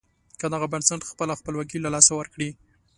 که دغه بنسټ خپله خپلواکي له لاسه ورکړي.